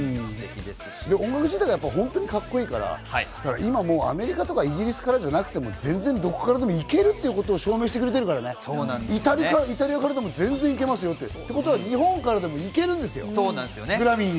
音楽自体、本当に格好いいから今、アメリカ、イギリスからじゃなくても全然どこからでも行けるってことを証明してくれてるからね、イタリアからでも全然行けますよって、日本からでも行けるんですよ、グラミーに。